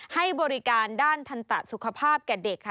ให้บริการด้านทันตะสุขภาพแก่เด็กค่ะ